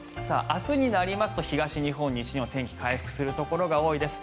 明日になりますと東日本、西日本天気回復するところが多いです。